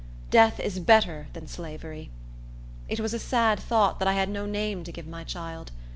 Death is better than slavery. It was a sad thought that I had no name to give my child.